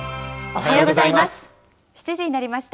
おはようございます。